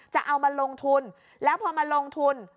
จะเอามาลงทุนแล้วพอมาลงทุน